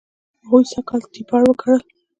هغوی سږ کال ټیپر و کرل.